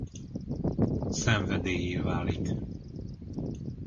Szenvedéllyé válik.